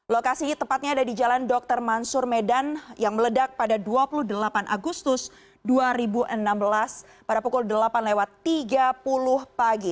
lokasi tepatnya ada di jalan dr mansur medan yang meledak pada dua puluh delapan agustus dua ribu enam belas pada pukul delapan lewat tiga puluh pagi